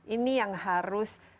ini yang harus